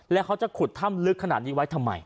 แล้วเขาจะขุดถ้ำลึกขนาดนี้ไว้ทำไม